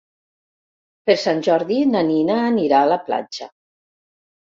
Per Sant Jordi na Nina anirà a la platja.